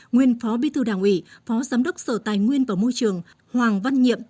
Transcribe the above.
nguyên phó bí thư đảng ủy phó giám đốc sở tài nguyên và môi trường hoàng văn nhiệm